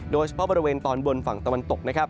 โดยเฉพาะบริเวณตอนบนฝั่งตะวันตกนะครับ